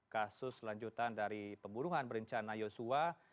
kasus lanjutan dari pembunuhan berencana yosua